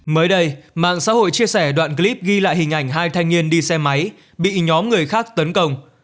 mới đây mạng xã hội chia sẻ đoạn clip ghi lại hình ảnh hai thanh niên đi xe máy bị nhóm người khác tấn công